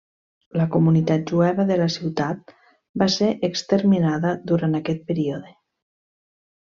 La comunitat jueva de la ciutat va ser exterminada durant aquest període.